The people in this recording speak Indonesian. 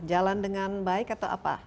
jalan dengan baik atau apa